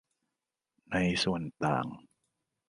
ในส่วนต่าง